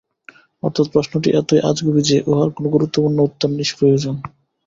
অর্থাৎ প্রশ্নটি এতই আজগুবী যে, উহার কোন গুরুত্বপূর্ণ উত্তর নিষ্প্রয়োজন।